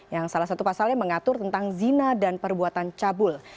yang salah satu pasalnya mengatur tentang zina dan perbuatan cabul